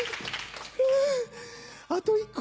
うあと１個。